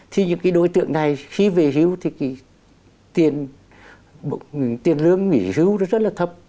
thì những cái đối tượng này khi về hưu thì cái tiền lương nghỉ hưu rất là thấp